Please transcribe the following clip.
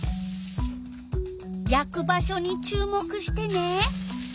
やく場所に注目してね！